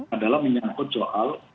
adalah menyangkut jual